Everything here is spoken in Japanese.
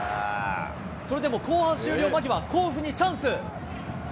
それでも後半終了間際、甲府にチャンス。